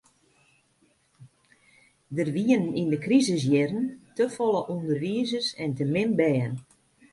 Der wienen yn de krisisjierren te folle ûnderwizers en te min bern.